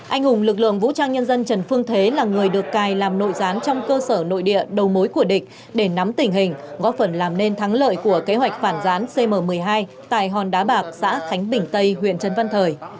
anh hùng lực lượng vũ trang nhân dân trần phương thế là người được cài làm nội gián trong cơ sở nội địa đầu mối của địch để nắm tình hình góp phần làm nên thắng lợi của kế hoạch phản gián cm một mươi hai tại hòn đá bạc xã khánh bình tây huyện trấn văn thời